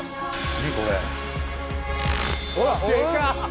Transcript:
何これ？